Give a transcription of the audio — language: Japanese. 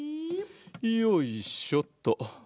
よいしょっと。